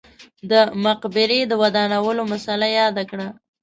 د مقبرې د ودانولو مسئله یاده کړه.